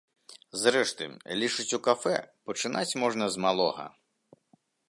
Зрэшты, лічаць у кафэ, пачынаць можна з малога.